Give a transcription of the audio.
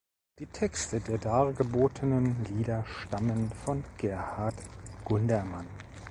Die Texte der dargebotenen Lieder stammen von Gerhard Gundermann.